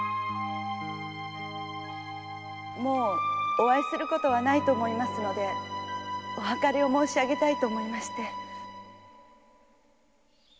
〔もうお会いすることはないと思いますのでお別れを申し上げたいと思いまして〕